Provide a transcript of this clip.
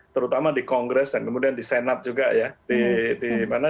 terutama di kongres dan kemudian di senat juga ya